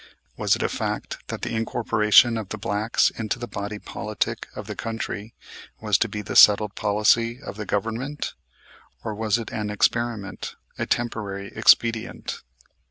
Was it a fact that the incorporation of the blacks into the body politic of the country was to be the settled policy of the government; or was it an experiment, a temporary expedient?